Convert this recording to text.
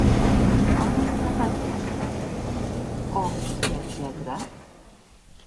A on as trapat casa, ò viatgèr adorat?